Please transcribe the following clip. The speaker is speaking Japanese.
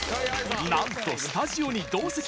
なんとスタジオに同席！